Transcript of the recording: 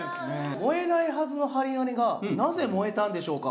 燃えないはずの針金がなぜ燃えたんでしょうか？